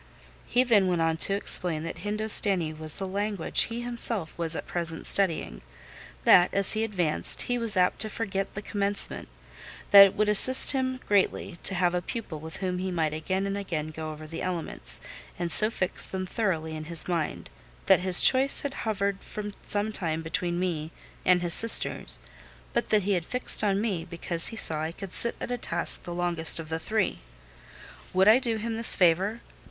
He then went on to explain that Hindostanee was the language he was himself at present studying; that, as he advanced, he was apt to forget the commencement; that it would assist him greatly to have a pupil with whom he might again and again go over the elements, and so fix them thoroughly in his mind; that his choice had hovered for some time between me and his sisters; but that he had fixed on me because he saw I could sit at a task the longest of the three. Would I do him this favour?